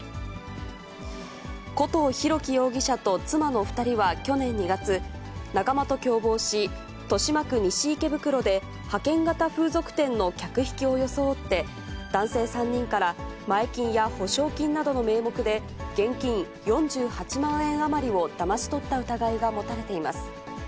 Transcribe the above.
古藤大樹容疑者と妻の２人は去年２月、仲間と共謀し、豊島区西池袋で派遣型風俗店の客引きを装って、男性３人から前金や保証金などの名目で、現金４８万円余りをだまし取った疑いが持たれています。